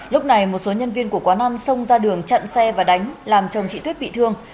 lúc này một số nhân viên của quán ăn xông ra đường chặn xe và đánh làm chồng chị tuyết bị thương